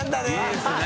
いいですね